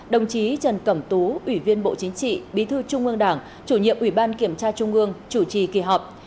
đồng chí trần cẩm tú ủy viên bộ chính trị bí thư trung ương đảng chủ nhiệm ủy ban kiểm tra trung ương chủ trì kỳ họp